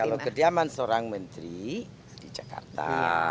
kalau kediaman seorang menteri di jakarta